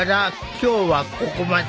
今日はここまで。